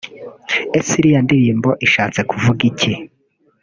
Ese iriya ndirimbo ishatse kuvuga iki